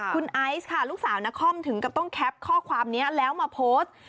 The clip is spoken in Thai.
คุณไอซ์ค่ะลูกสาวนครถึงกับต้องแคปข้อความนี้แล้วมาโพสต์